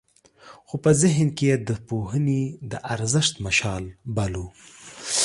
خو په ذهن کې یې د پوهې د ارزښت مشال بل و.